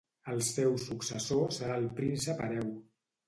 El seu successor serà el príncep hereu.